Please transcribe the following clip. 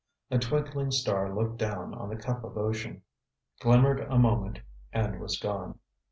A twinkling star looked down on the cup of ocean, glimmered a moment and was gone.